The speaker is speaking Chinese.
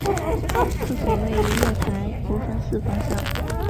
厕所位于月台国分寺方向。